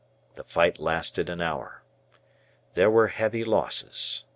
The fight lasted an hour. There were heavy losses.